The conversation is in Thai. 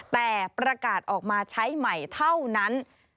แต่ประกาศออกมาใช้ใหม่เท่านั้น